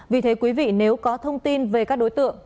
vì thế quý vị nếu có thông tin về các đối tượng